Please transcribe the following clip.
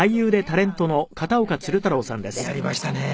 やりましたね。